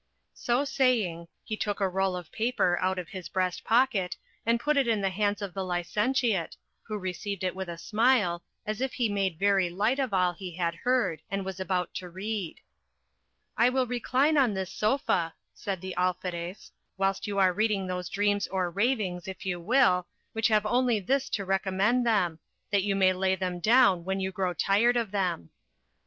So saying, he took a roll of paper out of his breast pocket, and put it in the hands of the licentiate, who received it with a smile, as if he made very light of all he had heard, and was about to read. I will recline on this sofa, said the Alferez, whilst you are reading those dreams or ravings, if you will, which have only this to recommend them, that you may lay them down when you grow tired of them.